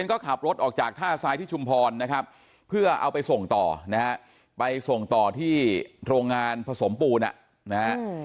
ก็ขับรถออกจากท่าทรายที่ชุมพรนะครับเพื่อเอาไปส่งต่อนะฮะไปส่งต่อที่โรงงานผสมปูนนะฮะ